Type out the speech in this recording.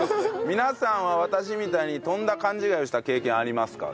皆さんは私みたいにとんだ勘違いをした経験ありますか？